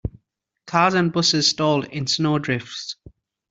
Cars and busses stalled in snow drifts.